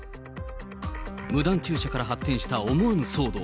無断駐車から発展した思わぬ騒動。